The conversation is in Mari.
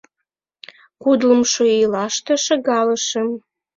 Кудлымшо ийлаште шыгалышым.